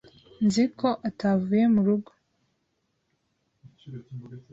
Nzi ko atavuye mu rugo.